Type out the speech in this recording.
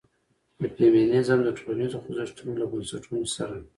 د فيمنيزم د ټولنيزو خوځښتونو له بنسټونو سره